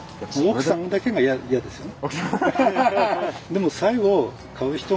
奥さんだけがいやですよね。